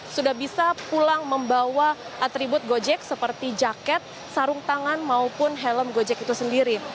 sudah bisa pulang membawa atribut gojek seperti jaket sarung tangan maupun helm gojek itu sendiri